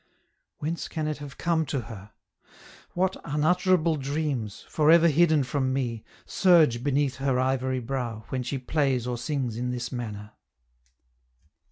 Whence can it have come to her? What unutterable dreams, forever hidden from me, surge beneath her ivory brow, when she plays or sings in this manner?